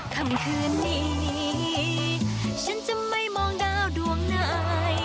คำคืนนี้ฉันจะไม่มองดาวดวงไหน